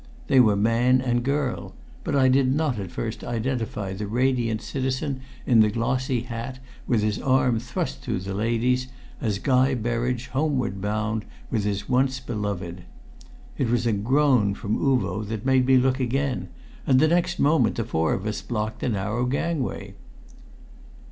They were man and girl; but I did not at first identify the radiant citizen in the glossy hat, with his arm thrust through the lady's, as Guy Berridge homeward bound with his once beloved. It was a groan from Uvo that made me look again, and next moment the four of us blocked the narrow gangway.